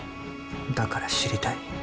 だから知りたい。